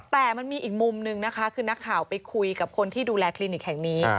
แต่มันมีอีกมุมนึงนะคะคือนักข่าวไปคุยกับคนที่ดูแลคลินิกแห่งนี้